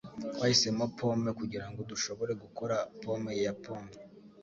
Twahisemo pome kugirango dushobore gukora pome ya pome.